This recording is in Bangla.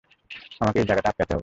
আমাকে এ জায়গাটা আটকাতে হবে।